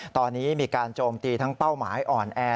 ตอนนี้มีการโจมตีทั้งเป้าหมายอ่อนแอ